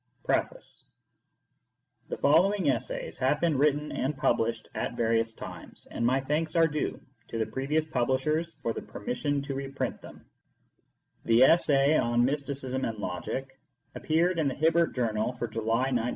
PREFACE r I ""HE following essays have been written and pub 1 lished at various times, and my thanks are due to the previous publishers for the permission to reprint The essay on " Mysticism and Logic " appeared in the Hibbert Journal for July, 1914.